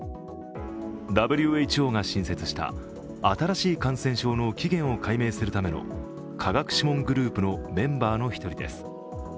ＷＨＯが新設した新しい感染症の起源を解明するための科学諮問グループのメンバーの１人です。